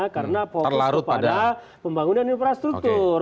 karena fokus kepada pembangunan infrastruktur